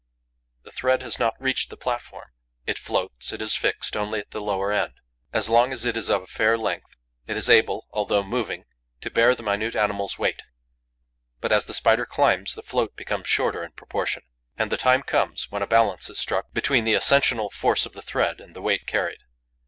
The thread has not reached the platform; it floats, it is fixed only at the lower end. As long as it is of a fair length, it is able, although moving, to bear the minute animal's weight. But, as the Spider climbs, the float becomes shorter in proportion; and the time comes when a balance is struck between the ascensional force of the thread and the weight carried.